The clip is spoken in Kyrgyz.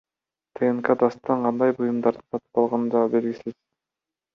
ТНК Дастан кандай буюмдарды сатып алганы да белгисиз.